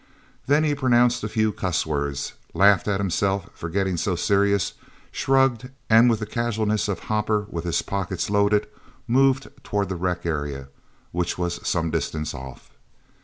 Then he pronounced a few cuss words, laughed at himself for getting so serious, shrugged, and with the casualness of hopper with his pockets loaded, moved toward the rec area, which was some distance off.